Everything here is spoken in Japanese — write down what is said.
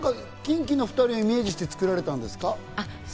ＫｉｎＫｉの２人をイメージして作られたんですか？